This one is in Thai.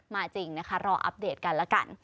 จริงนะคะรออัปเดตกันแล้วกัน